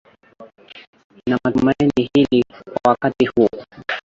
inamatumaini hili kwa wakati huu